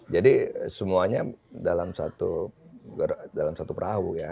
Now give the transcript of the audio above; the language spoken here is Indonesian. jadi semuanya dalam satu perahu ya